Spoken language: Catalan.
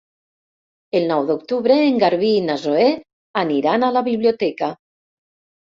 El nou d'octubre en Garbí i na Zoè aniran a la biblioteca.